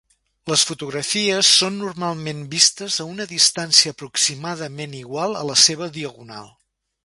Les fotografies són normalment vistes a una distància aproximadament igual a la seva diagonal.